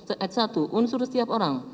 ad satu unsur setiap orang